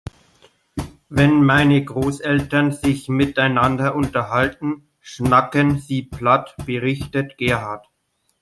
Wenn meine Großeltern sich miteinander unterhalten, schnacken sie platt, berichtet Gerhard.